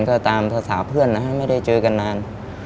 ก็ตามภาษาเพื่อนนะฮะไม่ได้เจอกันนาน